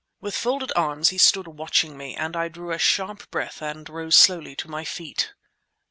With folded arms he stood watching me, and I drew a sharp breath and rose slowly to my feet.